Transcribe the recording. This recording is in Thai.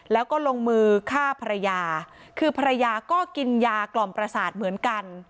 แล้วก็ลงมือฆ่าภรรยาคือภรรยาก็กินยากล่อมประสาทเหมือนกัน